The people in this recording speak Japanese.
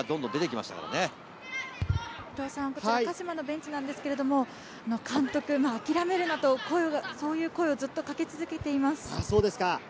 鹿島のベンチなんですけれど、監督は諦めるなと、そういう声をずっとかけ続けています。